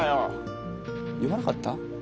言わなかった？